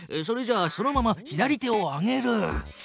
それじゃあそのまま左手を上げる。